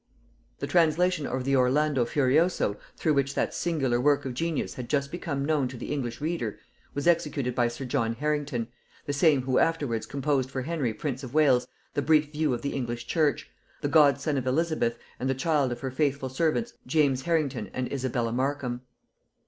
The translation of the Orlando Furioso through which that singular work of genius had just become known to the English reader, was executed by sir John Harrington, the same who afterwards composed for Henry prince of Wales, the Brief View of the English Church, the godson of Elizabeth, and the child of her faithful servants James Harrington and Isabella Markham.